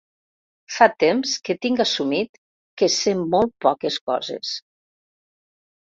Fa temps que tinc assumit que sé molt poques coses.